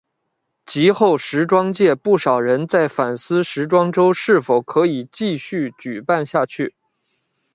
及后时装界不少人在反思时装周是否可以继续举办下去。